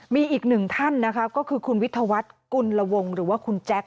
มีอีกหนึ่งท่านนะคะก็คือคุณวิทยาวัฒน์กุลวงหรือว่าคุณแจ๊ค